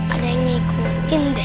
ada yang ikutin deh